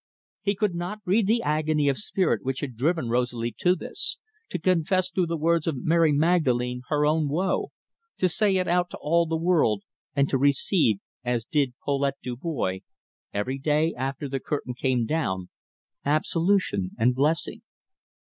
He could not read the agony of spirit which had driven Rosalie to this to confess through the words of Mary Magdalene her own woe, to say it out to all the world, and to receive, as did Paulette Dubois, every day after the curtain came down, absolution and blessing.